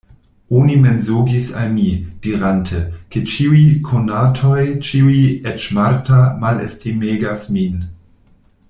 Oni mensogis al mi, dirante, ke ĉiuj konatoj, ĉiuj, eĉ Marta, malestimegas min.